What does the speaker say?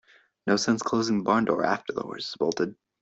No sense closing the barn door after the horse has bolted.